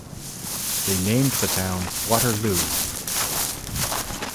They named the town Waterloo.